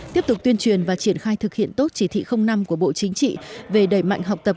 tiếp tục tuyên truyền và triển khai thực hiện tốt chỉ thị năm của bộ chính trị về đẩy mạnh học tập